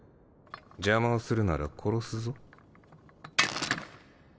邪魔をするなら殺すぞ。